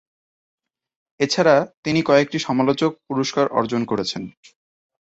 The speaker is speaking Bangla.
এছাড়া তিনি কয়েকটি সমালোচক পুরস্কার অর্জন করেছেন।